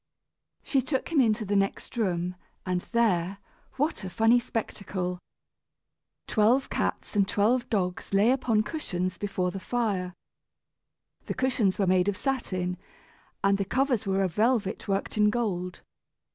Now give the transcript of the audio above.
She took him into the next room, and there what a funny spectacle! Twelve cats and twelve dogs lay upon cushions before the fire. The cushions were made of satin, and the covers were of velvet worked in gold.